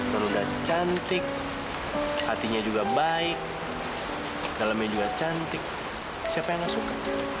non udah cantik hatinya juga baik dalemnya juga cantik siapa yang gak suka